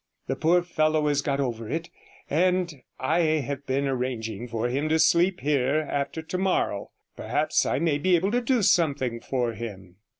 'The poor fellow has got over it, and I have been arranging for him to sleep here after tomorrow. Perhaps I may be able to do something for him.'